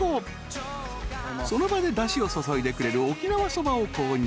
［その場でだしを注いでくれる沖縄そばを購入］